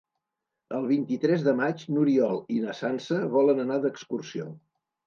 El vint-i-tres de maig n'Oriol i na Sança volen anar d'excursió.